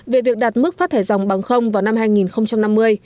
về việc đạt mức phát thải dòng bằng không vào năm hai nghìn năm mươi